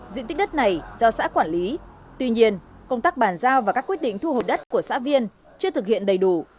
diện tích đất này do xã quản lý tuy nhiên công tác bàn giao và các quyết định thu hồi đất của xã viên chưa thực hiện đầy đủ